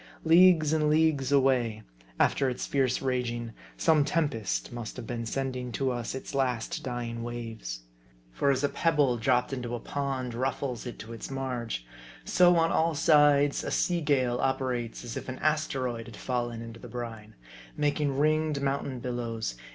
Leagues and leagues away, after its fierce raging, some tempest must have been sending to us its last dying waves. For as a pebble dropped into a pond ruffles it to its marge ; so, on all sides, a sea gale operates as if an asteroid had fallen into the brine ; making ringed mountain billows?